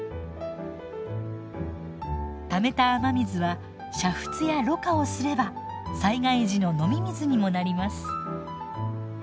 ためた雨水は煮沸やろ過をすれば災害時の飲み水にもなります。